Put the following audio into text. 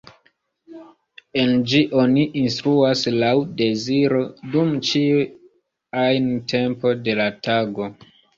En ĝi oni instruas laŭ deziro dum ĉiu ajn tempo de la tago.